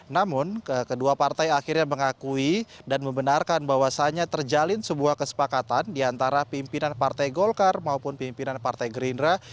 namun kedua partai akhirnya mengakui dan membenarkan bahwasannya terjalin sebuah kesepakatan diantara pimpinan partai golkar maupun pimpinan partai gerindra